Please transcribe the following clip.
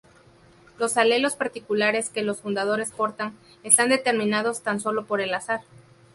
Los alelos particulares que los fundadores portan, están determinados tan sólo por el azar.